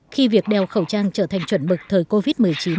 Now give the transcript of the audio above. khi việc đeo khẩu trang trở thành chuẩn mực thời covid một mươi chín